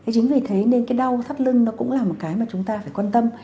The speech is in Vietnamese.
chính vì thế nên đau thắt lưng cũng là một cái mà chúng ta phải quan tâm